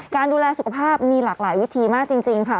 การดูแลสุขภาพมีหลากหลายวิธีมากจริงค่ะ